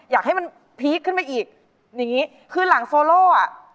อยากให้มันพีคขึ้นมาอีกอย่างงี้คือหลังโซโล่อ่ะ